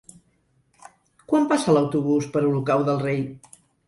Quan passa l'autobús per Olocau del Rei?